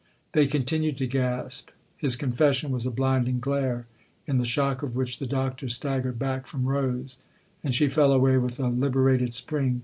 They continued to gasp ; his confession was a blinding glare, in the shock of which the Doctor staggered back from Rose and she fell away with a liberated spring.